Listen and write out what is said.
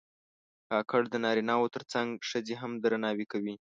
کاکړ د نارینه و تر څنګ ښځې هم درناوي کوي.